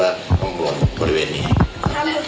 ถ่ายช่วงหน่อยบริเวณไหนและสอนของกับพยานที่ท่านตูลง